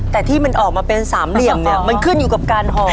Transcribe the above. แต่ที่มันออกมาเป็นสามเหลี่ยมเนี่ยมันขึ้นอยู่กับการห่อ